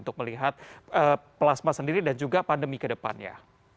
untuk melihat plasma sendiri dan juga pandemi ke depannya